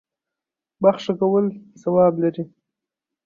بخښه کول ثواب لري.